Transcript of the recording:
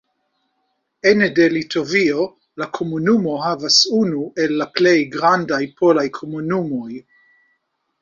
Ene de Litovio, la komunumo havas unu el la plej grandaj polaj komunumoj.